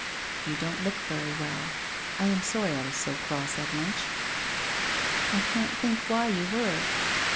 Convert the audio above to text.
' You don't look very well ? I am sorry I was so cross at lunch.' ' I can't think why you were